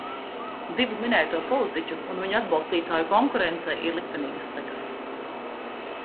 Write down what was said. Divu minēto politiķu un viņu atbalstītāju konkurencei ir liktenīgas sekas.